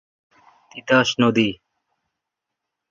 তিতাস নদী